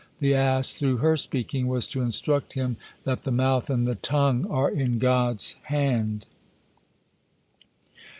The ass, through her speaking, was to instruct him that the mouth and the tongue are in God's hand.